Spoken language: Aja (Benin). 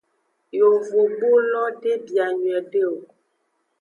Yovogbulo de bia nyuiede o.